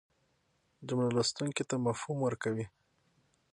جمله لوستونکي ته مفهوم ورکوي.